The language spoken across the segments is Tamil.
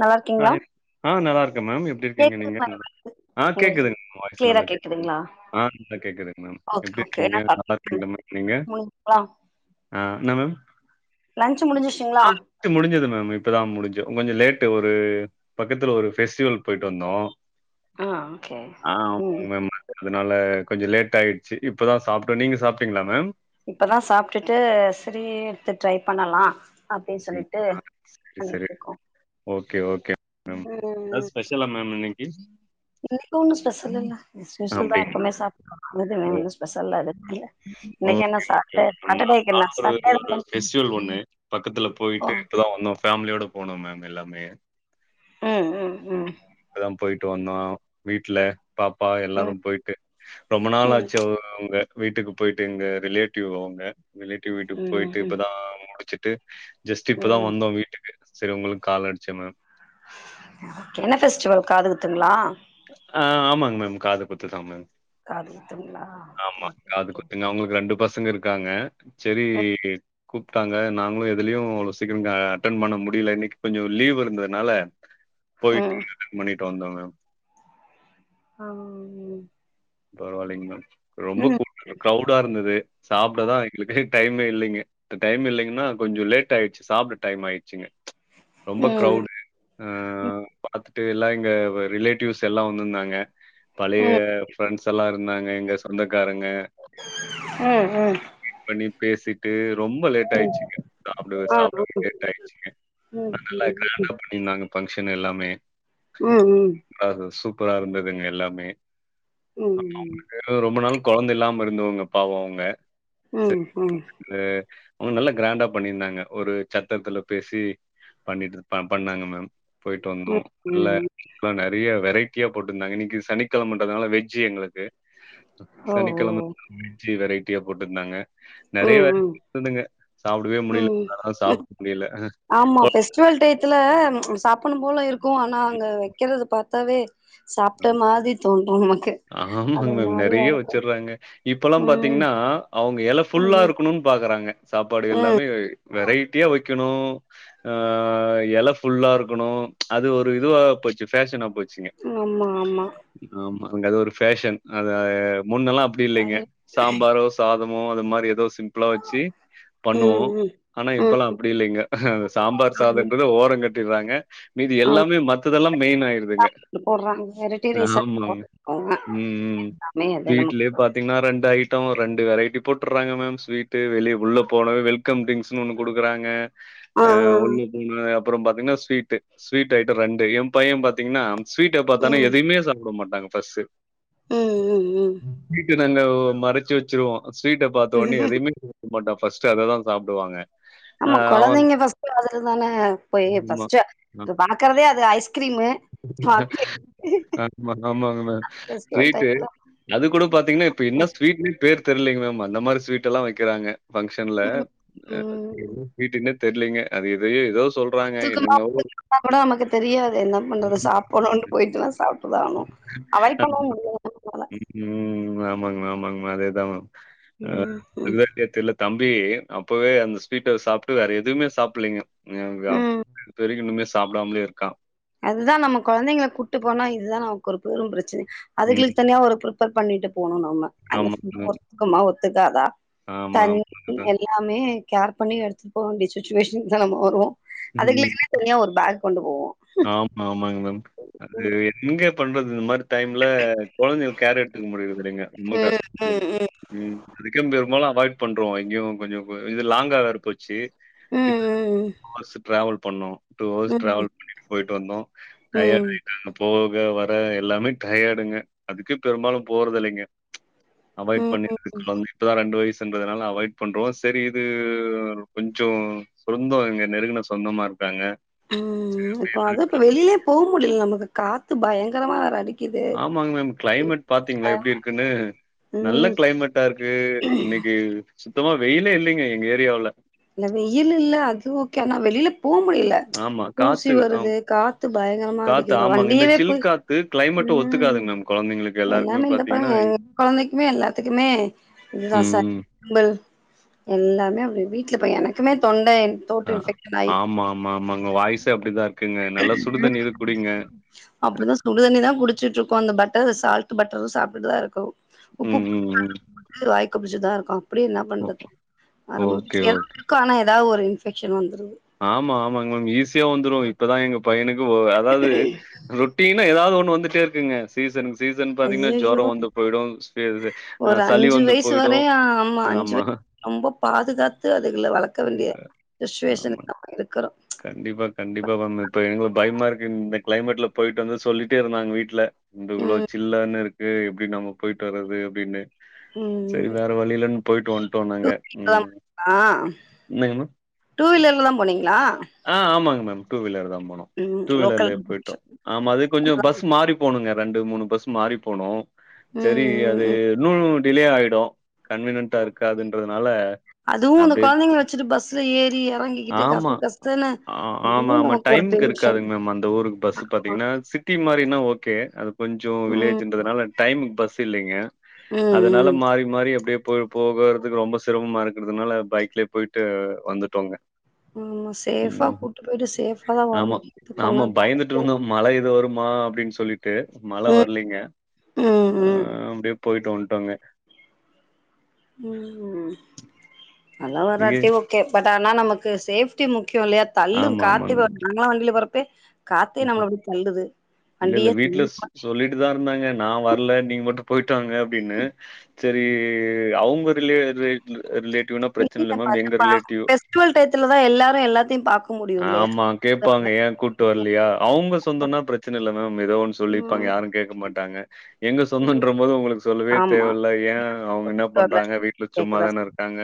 நல்லா இருக்கீங்களா ஹாய் ஆ நல்லா இருக்கே மேம் எப்டி இருக்கீங்க நீங்க கேக்குதுங்களா ஆ உங்களுக்கு கேக்குதுங்கமா வாய்ஸ் கிளியரா நல்லா கேக்குதுங் கேக்குதுங்களா ஆ நல்லா கேக்குதுங் மேம் ஓகே ஓகே எப்டிருக்கீங்க என்ன சாப்டீங்க நாலாருக்கீங்ளா மேம் நீங்க முடிஞ்சுங்களா ஆ என்ன மேம் லன்ச் சு முடிசுருச்சிங்களா முடிஞ்சது மேம் இப்பதா முடிஞ்சிது கொஞ்சோ லேட்டு ஒரு பக்கத்துல ஒரு பெஸ்டிவல் போயிட்டு வந்தோ ஆ ஓகே ஆ ம் [unintelligible] அதனால கொஞ்சோ லேட் ஆய்ருச்சு இப்ப தா சாப்ட்டோ நீங்க சாப்ட்டீங்களா மேம் இப்பதா சாப்ட்டுட்டு சிரி எடுத்து ட்ரை பண்ணலா அப்டின்னு சொல்லிட்டு அப்டிங்ளா செரி செரி பண்ணிட்டு இருக்கோ ஓகே ஓகே [unintelligible] என்ன ஸ்பெஷ [unintelligible] மேம் இன்னைக்கி இன்னைக்கி ஒன்னு ஸ்பெஷல் இல்ல ஸ்பெஷல் தா அப்டிங்களா எப்பவுமே சாப்ற [unintelligible] ஓ ஒன்னு ஸ்பெஷல்ல எடுக்கல இன்னைக்கி என்ன ஓகே, ஓகே, சாப்ட ஓகே மேம். நான் [unintelligible] என்ன நானும் ஒரு இங்க ஒரு சாப்ட ஃபெஸ்டிவல் ஒண்ணு பக்கத்துல போயிட்டு இப்பதா வந்தோ ஃபேமிலியோட போனோ மேம் எல்லாமே ம் ம் ம் இப்பதா போயிட்டு வந்தோ வீட்ல பாப்பா எல்லாரு ம் போயிட்டு ரொம்ப ம் நாளாச்சு அவுக அவுங்க வீட்டுக்கு போயிட்டு எங்க ரிலேட்டிவ் அவுங்க ரிலேட்டிவ் வீட்டுக்கு ம் போயிட்டு இப்பதா முடிச்சுட்டு ஜஸ்ட் ம் இப்பதா ம் வந்தோ வீட்டுக்கு செரி உங்களுக்கு கால் அடிச்சே மேம் என்ன ஃபெஸ்டிவல் காதுகுத்துங்களா ஆ ஆமாங்க மேம் காது குத்துதா மேம் காது குத்துங்களா ஆமா ஓகே காது ஓகே குத்து அவுங்களுக்கு ரெண்டு பசங்க இருக்காங்க செரி ஓகே ஈ கூப்ட்டாங்க நாங்களு எதுலயு அவ்ளோ சீக்கிர அட்டென் பண்ண முடில இன்னைக்கி கொஞ்சோ லீவ் இருந்ததுனால போய்ட்டு அட்டன் பண்ணிட்டு வந்தோம் மேம் ஆமா [unintelligible] பரவா இல்லைங்க மேம் ரொம்ப கூட் க்ரௌடா இருந்துது சாப்டதா எங்களுக்கு டைமே இல்லைங்க டைம் இல்லைங்கன்னா கொஞ்சோ லேட் ஆயிடுச்சு சாப்பட டைம் ஆயிடுச்சுங்க ரொம்ப க்ரௌடு ஆ பாத்துட்டு எல்லா எங்க ரிலேட்டிவ்ஸ் எல்லா வந்திருந்தாங்க பழைய ஃப்ரெண்ட்ஸ் இருந்தாங்க எங்க சொந்தக்காரங்க ம் மீட் பண்ணி பேசிட்டு ரொம்ப லேட் ஆயிருச்சுங்க சாப்டவே சாப்டு [unintelligible] லேட்டாடுச்சுங்க [inaudible] இந்தாங்க பங்க்ஷன் எல்லாமே ம் ம் அது சூப்பரா இருந்ததுங்க எல்லாமே ம் ம் வேறு ரொம்ப நாள் கொழந்த இல்லாம இருந்தவங்க பாவம் அவங்க செரி ம் ம் ம் [unintelligible] ஒரு அவுங்க நல்லா கிராண்டா பண்ணியிருந்தாங்க ஒரு சத்தரத்துல பேசி பண்ணிட்டு பண்ணாங்க மேம் போயிட்டு வந்தோ ம் ஆ ம் ம் ம் ம் ம் ம் ம் ம் ம் நல்ல ம் நெறைய வெரைட்டியா போட்டிருந்தாங்க இன்னைக்கி சனிக்கிழமன்றதால வெஜ் ஜி எங்களுக்கு ஓ சனிக்கிழம ஓ [inaudible] வெஜ்ஜு வெரைட்டியா போட்டு இருந்தாங்க நெறைய ம் ம் வெரைட்டி இருந்துங்க சாப்பிடவே ம் முடியல ம் என்னால சாப்டவே முடியல கொ பெஸ்டிவல் டையத்தில ம் சாப்புனும் போல இருக்கு ஆனா அங்க வைக்கிறத பாத்தாவே சாப்ட்ட ஆமா. மாதிரி தோணு நமக்கு அது ஆமாங்க ஒரு மாரியா நெறைய இருக்கு வச்சிர்றாங்க இப்பலா ம் பாத்தீங்னா அவ்ங்க எல ஃபுல்லா ம் இருக்கணுன் பாக்குறாங்க சாப்பாடு ம் எல்லாமே வெரைட்டியா வைக்கணு ஆ எல ஃபுல்லா இருக்கணு அது ஒரு இதுவா போச்சு ஃபேஷனா போச்சுங்க ம் ஆமா ஆமா ஆமா அங்க ஒரு ஃபேஷன் அத முன்னலா அப்டி இல்லைங்க வயிறு சாம்பாரோஸ் சாதமு அது மாரி எதோ சிம்புளா வச்சு பண்ணுவோ ம் ம் ஆனா இப்பலா ம் அப்டி இல்லைங்க அது சாம்பார் ஆமா சாதன்றது ஓரங்கட் டிறாங்க மீதி எல்லாமே மத்ததெல்லா மெய்ன் ஆய்ர்துங்க இப் போட்றாங்கரு ஆமாங்க ம் ம் எல்லாமே அது நம்ம வீட்லே பாத் தீங்னா ரெண்டு ஐட்டோ ரெண்டு வெரைட்டி போட்டுறாங்க மேம் ஸ்வீட்டு வெளிய உள்ள போனா வெல் கம் ட்ரிங்ஸ்ன் ஒன்னு குடுக்குறாங்க ஆ உள்ளு முன்ன அப்புறம் பாத்தீங்னா ஸ்வீட்டு ஸ்வீட் ஐட்டோ ரெண்டு என் பையன் பாத்தீங்னா ஸ்வீட்ட பா தனா ம் எதையுமே சாப்புட மாட்டாங்க ஃபஸ்ட்டு ம் ம் ம் ஸ்வீட்ட நாங்க மறச்சு வச்சுருவோ ஸ்வீட்ட பாத்தோனே எதைமே மாட்டான் ஃபஸ்ட்டு அததா சாப்டுவாங்க ஆமா கொழந்தைங்க ஃபஸ்ட்டு அதுலதான போயி ஆமா. ஃபஸ்ட்டு பாக்குறதே அது ஐஸ்கிரீமு சாக்லேட் ஆமாங் ஆமாங்கு மா ஃபெஸ்டிவல் ஸ்வீட்டு டைம்ல அது கூட பாத்தீங்னா இப்ப என்ன ஸ்வீட்னே பேர் தெர்லைங்கு மேம் அந்த மாரி ஸ்வீடெல்லா வைக்குறாங்க பங்க்ஷன்ல ம் ம் என்ன ஸ்வீட்னுனே தெர்லைங்க அது எதையோ எதோ சொல் தூ கும்மா போகிட்டு பாக்கணு நமக்கு அத் தெரியாது என்ன பண்றது சாப்புணூன்டு போய்ட்டொன சாப் ட்டுதா ஆனு அவாய்டு பண்ணவு முடியாது [unintelligible] போனா ம் ஆமாங்மா ஆமாங்மா அதேதா மா அ ம் ம் என்னன்டே தெர்ல தம்பி அப்பவே அந்த ஸ்வீட்ட சாப்ட்டு வேற எதுமே சாப்புலீங்க ஒன்னே ஒன்னு ம் சாப்ட் [inaudible] தெரியுனுங்க சாப்டாம்லே இருக்கான் அதுதா நம்ம கொழந்தைங்குல கூட்டு போனா இதுதா நமக்கு ஒரு பெரும் பிரச்சனை ம். அதுகிளுக் தனியா ஒரு ப்ரிப் பர் பண்ணிட்டு போனு நம்ம அந்த ஆமா, [inaudible] ஒர்த்துக்குமா ஒத்துக்காதா ஆமா, தண்ணி ஆமா. அதுதான். எல் லாமே கேர் பண்ணி எடுத்துட் போவேண்டிய சுச்சுவேஷன்க்தா நம்ம வருவோ ம். அதுங்கிளுக்குனே தனியா ஒரு பேக் கொண்டு போவோ ஆமா ஆமாங்மேம் அது எங்க பண்றது இந்த மாரி டைம்ல கொழந்தைங்ளுக் கேரெடுத்துக்க முடிறதில்லைங்க ரொம்ப ம் கஷ்டோ பிள்ளைங்ளுகு ம் ம் அதுக்கே பெரும்பாலு அவாய்ட் பண்றோ எங்கியு கொஞ்சோ போ இது லாங்கா வேற போச்சு ம் கிட் ம் மாஸு டிராவல் பண்ண்ணு டூ ம் ஹவர்ஸ் ம் ட்ராவல் பண்ணிட்டு போய்ட்டு வந்தோ டயர்டு ம் ஆய்ட்டாங்க போக வர எல்லாமே டயடுங்க அதுக்கே பெரும்பாலு போறதில்லைங்க அவாய்ட் ம் பண்ணிட்ருக்குறோங்கே இப்பதா ரெண்டு வய்சுன்றதுனால அவாய்ட் பண்றோ சேரி இது கொஞ்சோ சொந்தோ எங்க நெருங்குன சொந்தமா இருக்காங்க ம் இப்போ அதா இப்ப வெளிலே போ முடில நமக்கு காத்து பயங்கரமா வேற அடி ஆமாங் மேம் கிளைமேட் பாத்தீங்ளா எப்டி இருக்குன்னு நல்ல ம் கிளைமேட்டா இருக்கு இன்னைக்கு சுத்தமா வெயிலே இல்லேங்க எங்க ஏரியாவுல இங்க வெயில் இல்ல அது ஓகே ஆனா வெளில போ முடில ஆமா தூசி காத்து ஆம் வருது கா த்து பயங்கரமா காத்து அடிக்குது ஆமாங்க இந்த வண்டியிலே போய் சில் காத்து கிளைமேட்டு ம் ஒத்துக்காதுங்க மேம் கொழந்தைங்களுக்கு எல்லாருக்குமே எல்லாமே இந்த பாத்தீங்கன்னா பைய எங் குழந்தைக்குமே எல்லாத்துக்குமே இதுதா சார் ம் ம் எல்லாமே வீட்டுல பைய இப்ப எனக்குமே தொண்ட போட்ட ஆ இன்ஃபெக்ஷனாயிர்மா ஆமா ஆமா ஆமாங்க வாய்ஸே அப்டிதா இருக்குங்க நல்லா சுடுதண்ணி இது குடிங்க அப்டிதா சுடுதண்ணி தா குடிச்சுட்டுருக்கோ அந்த பட்டர் சால்ட் பட்டரு சாப்ட்டுதா இருக்கோ உப்பு ம் ம் ம் வாய் கொப்பளிச்சுட்தா இருக்கோ அப்டியே என்ன ஓ பண்றது அரம் ஓகே ஓகே க்கான எதா ஒரு இன்ஃபெக்க்ஷன் வந்துரு ஆமா ஆமாங் மேம் ஈஸியா வந்துரு இப்பதா எங்க பையனுக்கு ஒ அதாவது ரொட்டீன்னா எதாவது ஒண்ணு வந்துட்டே இருக்குங்க சீசன்க் சீசன் பாத்தீங்கன்னா ஐயையோ ஜொரோ வந்து போயிடு அ ஒரு சளி அஞ்சு வந்து வயசு போயிடு வரையு ஆமா அ அஞ்சு மா வய ரொம்ப பாதுகாத்து அதுகள வளக்க வேண்டிய ஆமா சுஷ்சுவேஷன் நம்ம இருக்கிறோ கண்டிப்பா கண்டிப்பா மேம் இப்ப எங்க பயமா இருக்கு இந்த கிளைமேட்ல போயிட்டு வந்து சொல்லிட்டே இருந்தாங் வீட்ல இந்த இவ்ளோ ம் சில்லான்னு இருக்கு எப்டி நம்ம போயிட்டு வர்றது அப்டின்னு சரி ம் வேற வழியில்லன் போயிட்டு வந்ட்டோ டூ நாங்க வீலர்லதா ம் போனீங்களா என்னங்க மா டூ வீலர்ல தா போனீங்ளா ஆ ஆமாங் மேம் டூ வீலர்லதா போனோ ம் டூ லோக்கல் வீலர்லயே போயிட்டோ ம் ஆமா அது கொஞ்சோ பஸ் மாறி போணுங்க ரெண்டு மூணு பஸ் மாறி போணு சரி ம் அது ம் இன்னு டிலே ஆயிடு கன்வினியன்டா இருக்காதுன்றதுனால அதுவு இந்த அப்டியே குழந்தைங்க வச்சுட்டு பஸ்ல ஏறி இறங்கிக்கிட்டு ஆமா. கச கச ஆ ஆமா ஆமா டைம்க்கு இருக்காதுங் மேம் அந்த ஊருக் பஸ் பாத்தீங்னா சிட்டி மாரின்னா ஓகே அது கொஞ்சோ ம் வில்லேஜ்ன்றதுனால டைமுக்கு பஸ் இல்லீங்க ம் அதனால ம் மாறி மாறி அப்டியே போய் போகறதுக்கு ரொம்ப சிரமமா இருக்கிறதுனால பைக்யலே போய்ட்டு வந்துட்டோங்க ம் சேஃபா ம். கூட்டு போயிட்டு சேஃபா தா ஆமா. வரணு ஆமா. பயந்துட்டு [unintelligible] இருந்தோம். மழை எது வருமா அப்டின் சொல்லி ட்டு மழ வர்லிங்க ம் அ ம் அப்டியே போயிட்டு வந்துட்டோங்க ம் மழ நீங்க வராட்டியு பட் ஆனா நமக்கு சேஃப்ட்டி முக்கியோ இல்லையா தள்ளு ஆமா, காத்து [unintelligible] ஆமாங்க. வண்டியில போறக்கே காத்தே நம்மள ம்ஹ்ம். அப்டி தள்ளுது வண்டியே சொல்லிட்டுதா இருந்தாங்க நா வரல நீங்க மட்டு போயிட்டு வாங்க அப்டின்னு சரி அவுங்க ரிலே ரிலேட்டிவ்னா பிரச்சன இல்ல மேம் எங்க ரிலேட்டிவ் கூல் டைத்துல தா எல்லாரு எல்லத்தியு பாக் ஆமா கேப்பாங்க ஏ கூட்டு வர்லியா அவுங்க சொந்தன்னா பிரச்சன இல்ல மேம் ஏதோ ஒன் சொல்லிர்ப்பாங்க ம் யாரு கேக்க மாட்டாங்க எங்க சொந்தன்ற போது அவங்களுக் சொல்லவே ஆமா தேவ இல்ல ஏ அவங்க என்ன பண்றாங்க வீட்ல கேக்குதா சும்மாதான இருக்காங்க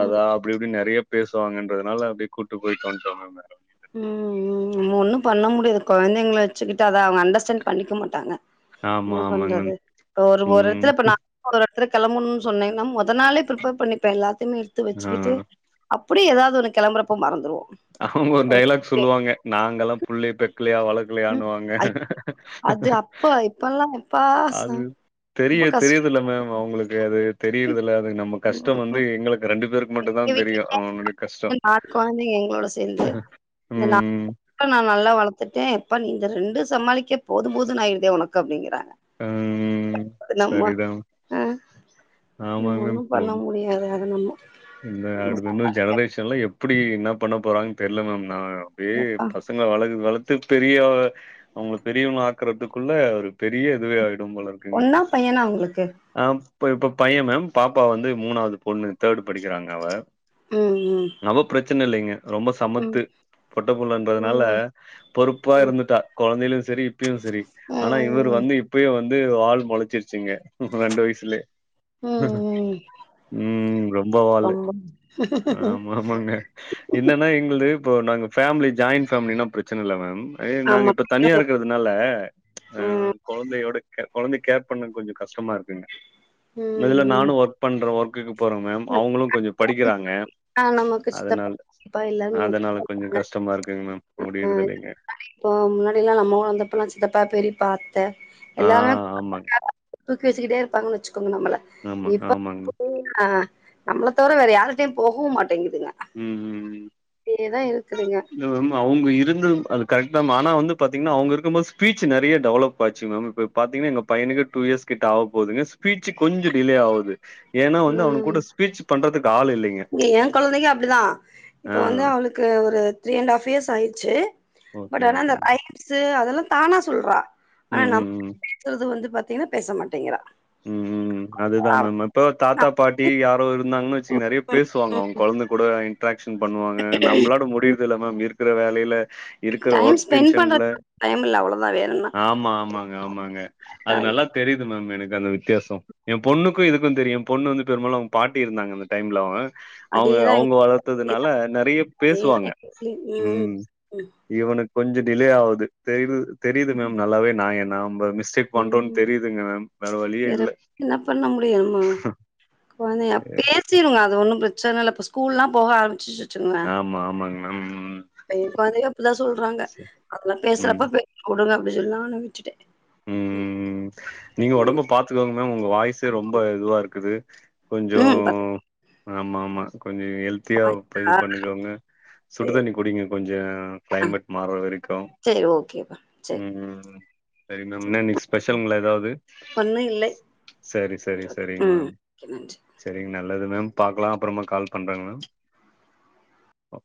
ம் அப்டி இப்டின் நெறய பேசுவாங்கன்றதுனால அப்டி கூட்டு போய்டு வன்டோ மேம் ம் ம் ஒண்ணு பண்ண முடியாது குழந்தைங்கள வெச்சுக்கிட்டு அத அவங் அண்டஸ் ன் பண்ணிக்க மாட்டாங்க ஆமா, என்ன ஆமாங்க பண்றது மேம். ப்போ ஒரு ஒரு ம். இடத்துல இப்ப நா [inaudible] இடத்துல கிளம்பணு சொன்னிங்ன்னா முதல் நாளே பிரிப்பர் பண்ணிப்பே எல்லாத்தைமே எடுத்து ஆ. வெச்சுக்கிட்டு அப்டியே எதாவது ஒன்னு கிளம்பறப்ப மறந்துருவோ அவங்க ஒரு டைலாக் சொல்லுவாங்க நாங்கெல்லா புள்ளிய பெக்கலயா வளக் ம் லியாணுவாங்க அது அப்ப இப்பல்லா எப்பா ச அது தெரிய ரொம்ப கஷ்டோ தெரியுரதுல மேம் அவங்களுக்கு அது தெரியறத இல்ல அது நம்ம கஷ்டம் வந்து எங்களுக்கு ரெண்டு பேருக்கு மட்டுதா எங்க வீட்ல தெரியு ஆ கஷ்டோ நாலு கொழந்தைங்க எங்களோட சேந்து இந்த நா ம் நா நல்லா வளத்துட்டே இப்ப நீ இந்த ரெண்டு சமாளிக்கே போது போதுன் ஆயிருதே உனக்கு அப்டிங்கிறாங்க ம் அது நம்ம சரிதா ஆ நம்ம ஆமாங் ஒண்ணு மேம் [unintelligible] நம்ம இந்த அடு இன்னு ஜெனரேஷன்லா எப்டி என்ன பண்ண போறாங்கன் தெர்ல மேம் நா அப்டே எப்பா பச ங்கள வளக் வளத்து பெரிய அவங்கள பெரியவங்கள ஆக்குறதுக்குள்ள ஒரு பெரிய இதுவே ஆயிடு போல இக்காங்க பொண்ணா பையனா உங்களுக்கு ஆ இப் இப்ப பையன் மேம் பாப்பா வந்து மூணாவது பொண்ணு தேர்டு படிக்கறாங்க அவ ம் ம் அவ பிரச்சன இல்லைங்க ரொம்ப சமத்து பொட்டப் புள்ளன்றதுனால ம் பொறுப்பா ம் இருந்துட்டா கொழந்தைலியு செரி இப்பயு செரி ம் ஆனா இவர் ம் வந்து இப்பயே வந் து வால் மொளச்சிருச்சுங்க ரெண்டு வய்சுலே ம் ம் ம் ம்ப வாலு ரொம்ப ஆமாமாங்க என்னன்னா எங்குளுது இப்போ நாங்க ஃபேமிலி ஜாயிண்ட் ஃபேமிலினா பிரச்சன இல்ல மேம் அய்ய நாங்க ஆமா இப்ப தனியா இருக்கறதுனால ஆ ம் கொழந்தையோட கொழந்தை கேர் பண்ண கொஞ்சோ கஷ்டமா இருக்குங்க இந்த இதுல ம் நானு ஒர்க் பண்றே ஒர்க்குக்கு போறே மேம் ம் அவங்குளு கொஞ்சோ படிக்றாங்க ஆ நமக்கு சித்தப்பா அதனால பெரியப்பா எல்லாருமே அதனால கொஞ்சோ இருப்பாங்க கஷ்டமா இருக்குங் மேம் ஆ முடியறதில்லைங்க முன்னடி இப்போ முன்னாடிலா நம்ம ஊர் இந்தப்பல்லா சித்தப்பா பெரிப்பா ஆ எல்லாமே ஆமாங்க [inaudible] தூக்கி வச்சுக்கிட்டே இருப்பாங்கன் வச்சுக்கோங்க நம்மள ஆமாங்க ஆமாங்க இப்ப [inaudible] ஆ நம்ள தவற வேற யாரிட்டயு போகவு மாட்டேங்குதுங்க ம் ம் இப்டியேதா இருக்குதுங்க இல்ல மேம் அவங்க இருந்த அது கரெக்ட் தா மேம் ஆனா வந்து பாத்தீங்னா அவங்க இருக்கும் போது ஸ்பீச் நறைய டெவலப் ஆச்சு மேம் இப்ப பாத்தீங்னா எங்க பையனுக்கு டூ இயர்ஸ் கிட்ட ஆக போதுங்க ஸ்பீச்சு கொஞ்சோ டிலே ஆவுது ஏனா வந்து அவனு ம் கூட ஸ்பீச் பண்றத்துக்கு ஆள் இல்லைங்க இங்க ஏ ஆ க ஒரு த்ரீ அண்ட் ஆஃப் இயர்ஸ் ஆயிர்ச்சு ஓகே பட் ஆனா அந்த ஓகேங்க ஐ ஸ்சு அதெலா தானா சொல்றா ஆனா ம் நம்ம ம் ம் பேசுறது வந்து பாத்தீங்னா பேச மாட்டேங்கிறா ம் ம் அதுதா அவ மேம் இப்போ தாத்தா பாட்டி யாரோ இருந்தாங்கன் வச்சுங்க நறைய பேசுவாங்க அவங்க கொழந்தை கூட இட்ராக்க்ஷன் பண்ணுவாங்க நம்ளாட முடிய்ரது இல்ல மேம் இருக்கற வேலைல இருக்கற டைம் ஒர்க் ஸ்பெண்ட் டென்ஷன்ல பண்றதுக்கு டைம் இல்ல அவ்ளோதா வேற ஆமா ஆமாங்க ஆமாங்க அது என்ன நல்லா தெரிது மேம் எனக்கு அந்த வித்யாசோ ஏன் பொண்ணுக்கு இதுக்கு தெரியு ஏன் பொண்ணு வந்து பெரும்பாலு அவங்க பாட்டி இருந்தாங்க அந்த டைம்ல அவங்க அவுங்க அதேதான் எங்க அவுங்க வளர்த்ததுனால அதேதான் நறைய அதேதான் பேசுவாங்க எங்க வீட்லயும் ம் ம். இவனுக்கு கொஞ்சோ டிலே ஆவுது தெரிது தெரிது மேம் நல்லாவே நா என் நா நம்ப மிஸ் சே ம். பண்றோன் ம். தெரியுதுங்க மேம் வழியே வேற இல்ல. ப் என்ன பண்ண முடியுமா நம்ம கொழந்தய அப்பயே பேசிருங்க அது ஒன்னு பிரச்சன இல்ல இப்போ ஸ்கூல்லா போக ஆரம்பிச் ஆமா, ஆமாங்க மேம். ம். [unintelligible] அப்டிதா சொல்றாங்க ச அதுங்க ம், பேசுறப்ப பே வுடுங்க அப்டி சொன்னாங்க நா விட்டுட்ட ம் நீங்க ஒடம்ப பாத்துக்கோங்க மேம் உங்க வாய்ஸே ரொம்ப இதுவா இருக்குது கொஞ்சோ ம் பத்துப்பா ஆமா ஆமா கொஞ்சோ ஹெல்ப் தியா இப்ப இது பண்ணிக்கோங்க சரி சுடு தண்ணி குடிங்க கொஞ்சோ கிளைமேட் மாற வரைக்கு சேரி ஓகேப்பா சரி ம் ம் ம் சரி என்ன இன்னைக்கு ஸ்பெஷலுங்களா ஏதாது ஒண்ணும் இல்லை சேரி சரி, சேரி ஓகே. சேரிங்க ம் மேம் ஓகே நன்றி சேரிங்க நல்லது மேம் பாக்கலா அப்பறமா கால் பண்றேங்க மேம்